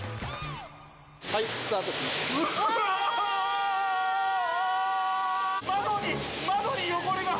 はい、スタートします。